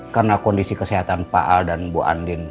karena kondisi kesehatan pak al dan bu andin